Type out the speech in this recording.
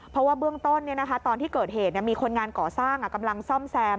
เพราะว่าเบื้องต้นตอนที่เกิดเหตุมีคนงานก่อสร้างกำลังซ่อมแซม